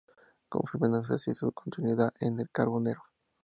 Confirmándose así, su continuidad en el Carbonero.